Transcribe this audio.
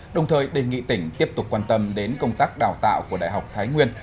đồng thời đề nghị tỉnh tiếp tục quan tâm đến công tác đào tạo của đại học thái nguyên